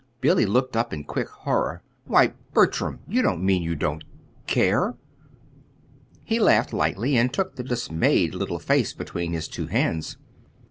Billy looked up in quick horror. "Why, Bertram, you don't mean you don't care?" He laughed lightly, and took the dismayed little face between his two hands.